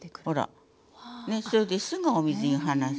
ねそれですぐお水に放す。